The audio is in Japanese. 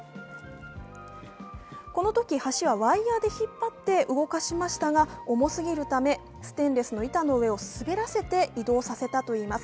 このとき橋はワイヤーで引っ張って動かしましたが、重すぎるためステンレスの板の上を滑らせて移動させたといいます。